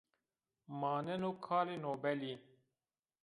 Maneno Kalê Noelî